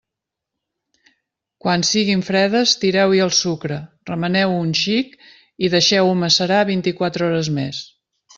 Quan siguin fredes, tireu-hi el sucre, remeneu-ho un xic i deixeu-ho macerar vint-i-quatre hores més.